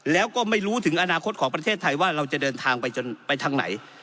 แล้วก็ไม่รู้ถึงอนาคตของประเทศไทยว่าเราจะเดินทางไปจนไปทางไหน